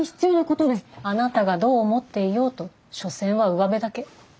あなたがどう思っていようと所詮はうわべだけ。